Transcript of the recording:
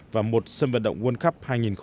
và một sân vận động world cup hai nghìn hai mươi